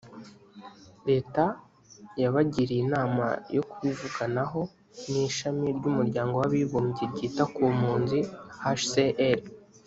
leta yabagiriye inama yo kubivuganaho n’ishami ry’umuryango w’abibumbye ryita ku mpunzi hcr